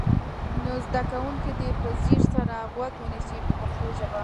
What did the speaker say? نور زده کوونکي دې په ځیر سره غوږ ونیسي په پښتو ژبه.